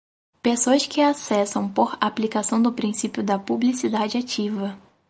Pessoas que acessam por aplicação do princípio da publicidade ativa.